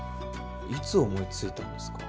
いつ思いついたんですか？